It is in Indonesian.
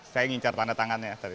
saya ngincar tanda tangannya tadi